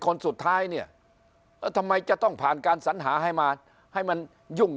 คนสุดท้ายเนี่ยทำไมจะต้องผ่านการสัญหาให้มาให้มันยุ่ง